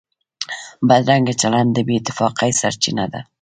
بدرنګه چلند د بې اتفاقۍ سرچینه ده